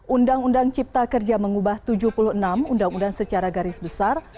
undang undang cipta kerja mengubah tujuh puluh enam undang undang secara garis besar